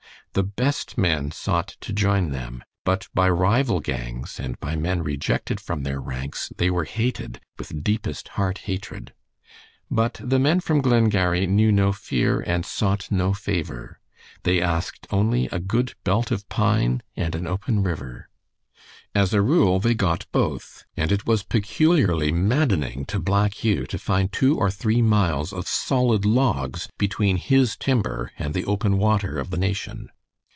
The best men sought to join them, but by rival gangs and by men rejected from their ranks they were hated with deepest heart hatred. But the men from Glengarry knew no fear and sought no favor. They asked only a good belt of pine and an open river. As a rule they got both, and it was peculiarly maddening to Black Hugh to find two or three miles of solid logs between his timber and the open water of the Nation.